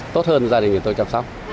tốt hơn gia đình nhà tôi chăm sóc